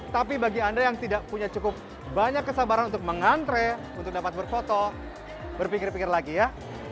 tapi bagi anda yang tidak punya cukup banyak kesabaran untuk mengantre untuk dapat berfoto berpikir pikir lagi ya